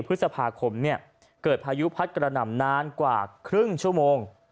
พฤษภาคมเกิดพายุพัดกระหน่ำนานกว่าครึ่งชั่วโมง